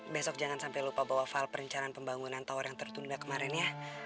besok jangan sampai lupa bawa file perencanaan pembangunan tower yang tertunda kemarin ya